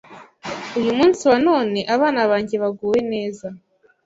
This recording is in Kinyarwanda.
Uyu munsi wa none abana banjye baguwe neza